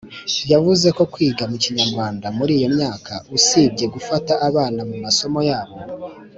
Yavuze ko kwiga mu Kinyarwanda muri iyo myaka usibye gufasha abana mu masomo yabo